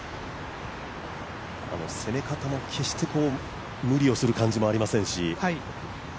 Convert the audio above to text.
攻め方も決して無理をする感じもありませんし。